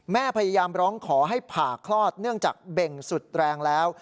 พยายามร้องขอให้ผ่าคลอดเนื่องจากเบ่งสุดแรงแล้ว